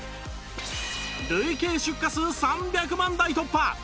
累計出荷数３００万台突破！